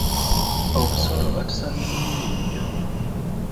Omusolo batusabye mungi nnyo.